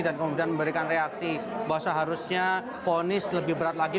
dan kemudian memberikan reaksi bahwa seharusnya vonis lebih berat lagi